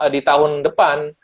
di tahun depan